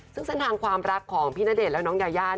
ซึ่งเส้นทางความรักของพี่ณเดชน์และน้องยายา